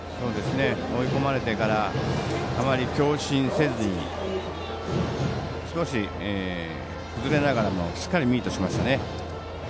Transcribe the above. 追い込まれてからあまり強振せずに少し崩れながらもしっかりミートしましたね。